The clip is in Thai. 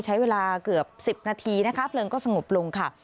ใช้เวลาเกือบ๑๐นาทีเพลิงก็สงบลง